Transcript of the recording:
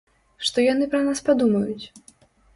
Што яны пра нас падумаюць?